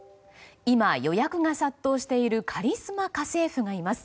今、予約が殺到しているカリスマ家政婦がいます。